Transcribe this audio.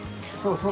そう！